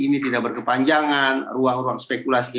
ini tidak berkepanjangan ruang ruang spekulasi